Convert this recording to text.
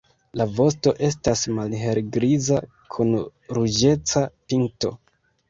La vosto estas malhelgriza kun ruĝeca pinto.